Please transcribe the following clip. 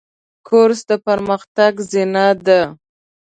کورس د پرمختګ زینه ده.